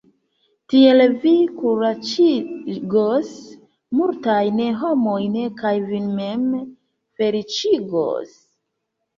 Tiel vi kuraĝigos multajn homojn kaj vin mem feliĉigos.